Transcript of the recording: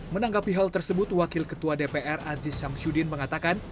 menanggapi hal tersebut wakil ketua dpr aziz syamsuddin mengatakan